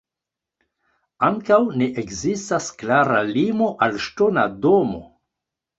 Ankaŭ ne ekzistas klara limo al ŝtona domo.